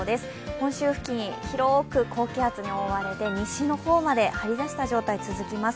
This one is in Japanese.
本州付近に広く高気圧が覆われて西の方まで張り出した状態、続いています。